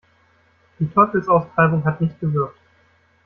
Die Teufelsaustreibung hat nicht gewirkt.